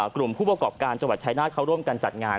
กรับการจังหวัดชัยนาธเขาร่วมกันจัดงาน